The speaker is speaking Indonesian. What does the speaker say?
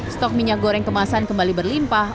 stok minyak goreng kemasan kembali berlimpah